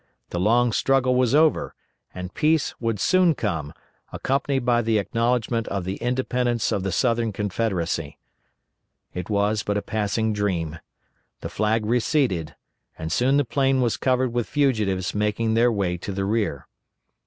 The long struggle was over, and peace would soon come, accompanied by the acknowledgment of the independence of the Southern Confederacy. It was but a passing dream; the flag receded, and soon the plain was covered with fugitives making their way to the rear.